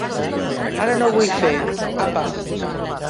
Ara no ho vull fer, apa!